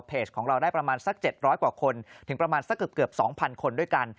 ของเราได้ประมาณสัก๗๐๐กว่าคนถึงประมาณสักเกือบ๒๐๐คนด้วยกัน